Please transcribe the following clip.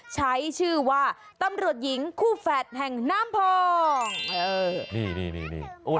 ใช้ชื่อว่าตำรวจหญิงคู่แฝดแห่งน้ำภอง